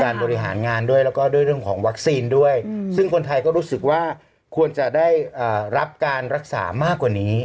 บริหารงานด้วยแล้วก็ด้วยเรื่องของวัคซีนด้วยซึ่งคนไทยก็รู้สึกว่าควรจะได้รับการรักษามากกว่านี้